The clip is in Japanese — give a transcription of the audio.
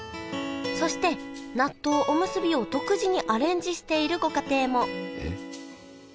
そして納豆おむすびを独自にアレンジしているご家庭もえっ？